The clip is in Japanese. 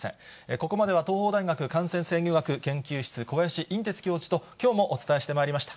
ここまでは東邦大学感染制御学研究室、小林寅てつ教授ときょうもお伝えしてまいりました。